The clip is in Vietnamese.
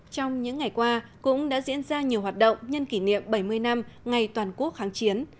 trong những ngày qua cũng đã diễn ra nhiều hoạt động nhân kỷ niệm bảy mươi năm ngày toàn quốc kháng chiến